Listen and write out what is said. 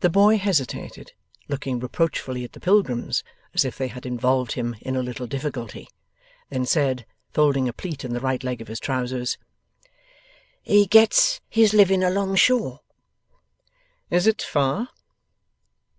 The boy hesitated, looked reproachfully at the pilgrims as if they had involved him in a little difficulty, then said, folding a plait in the right leg of his trousers, 'He gets his living along shore.' 'Is it far?